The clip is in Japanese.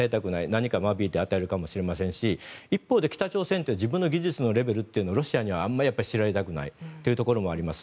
何かを間引いて与えるかもしれませんし一方で北朝鮮は自分の技術のレベルをロシアにはあまり知られたくないというところもあります。